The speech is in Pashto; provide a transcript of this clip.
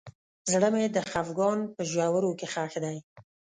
زړه مې د خفګان په ژورو کې ښخ دی.